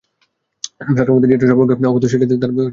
শাস্ত্রমতে যেটা সর্বাপেক্ষা অখাদ্য সেইটাতে তার বিশেষ পরিতৃপ্তি ছিল।